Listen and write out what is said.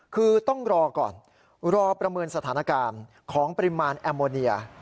คือต้องรอก่อนรอประเมินสถานการณ์ของปริมาณแอมโมเนีย